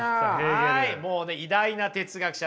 はいもうね偉大な哲学者。